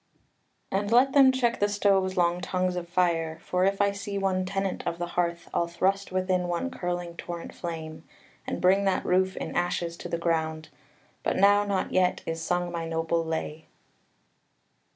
"And let them check the stove's long tongues of fire: For if I see one tenant of the hearth, I'll thrust within one curling torrent flame, And bring that roof in ashes to the ground: But now not yet is sung my noble lay."